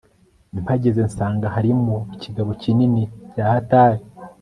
mpageze nsanga harimo ikigabo kinini byahatari